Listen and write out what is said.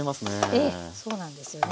ええそうなんですよね。